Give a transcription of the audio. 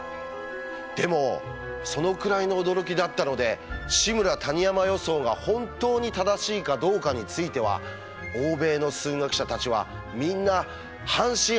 でもそのくらいの驚きだったので「志村−谷山予想」が本当に正しいかどうかについては欧米の数学者たちはみんな半信半疑だったそうです。